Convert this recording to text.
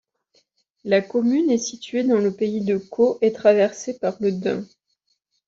La commune est située dans le pays de Caux et traversée par le Dun.